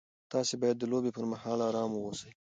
تاسي باید د لوبې پر مهال ارام واوسئ.